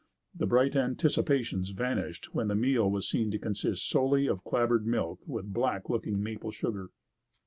The bright anticipations vanished when the meal was seen to consist solely of clabbered milk with black looking maple sugar.